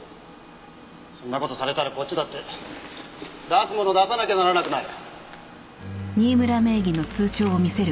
そんな事されたらこっちだって出すもの出さなきゃならなくなる。